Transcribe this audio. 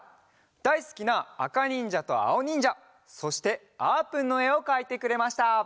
だいすきなあかにんじゃとあおにんじゃそしてあーぷんのえをかいてくれました。